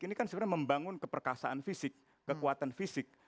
ini kan sebenarnya membangun keperkasaan fisik kekuatan fisik